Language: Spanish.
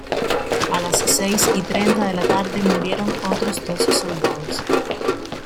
A las seis y treinta de la tarde murieron otros dos soldados.